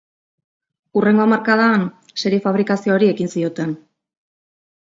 Hurrengo hamarkadan serie-fabrikazioari ekin zioten.